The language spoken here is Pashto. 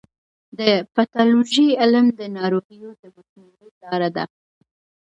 د پیتالوژي علم د ناروغیو د مخنیوي لاره ده.